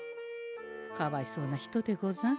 かわいそうな人でござんすよ。